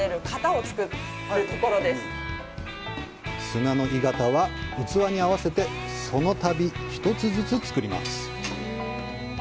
砂の鋳型は、器に合わせて、そのたび、一つずつ作ります。